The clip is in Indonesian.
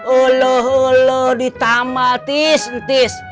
oloh oloh ditambal tis tis